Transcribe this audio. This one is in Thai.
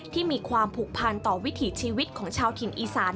ที่มีความผูกพันต่อวิถีชีวิตของชาวถิ่นอีสาน